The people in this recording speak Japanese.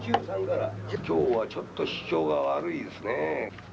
今日はちょっと市場が悪いですね。